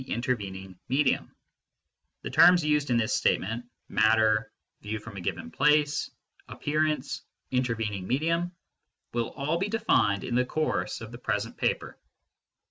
intervening medium. (The terms used in 150 MYSTICISM AND LOGIC this statement " matter," " view from a given place," " appearance/ " intervening medium " will all be de nned in the course of the present paper.)